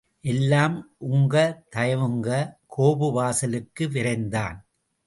எல்லாம் உங்க தயவுங்க! கோபு வாசலுக்கு விரைந்தான்.